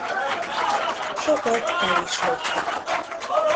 Sokat el is loptak.